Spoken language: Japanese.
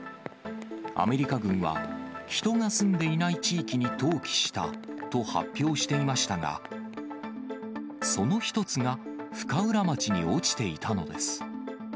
アメリカ軍は、人が住んでいない地域に投棄したと発表していましたが、その一つが深浦町に落ちていたのです。